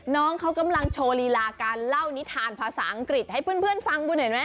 น้องเขากำลังโชว์ลีลาการเล่านิทานภาษาอังกฤษให้เพื่อนฟังคุณเห็นไหม